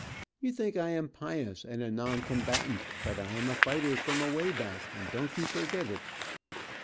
You think I am pious, and a non combatant, but I am a fighter from away back, and don't you forget it."